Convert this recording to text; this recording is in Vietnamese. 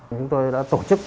chúng tôi đã tổ chức